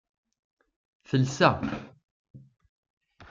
Telsa.